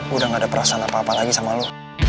udah gak ada perasaan apa apa lagi sama lo